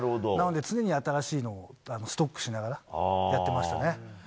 なので、常に新しいのをストックしながらやってましたね。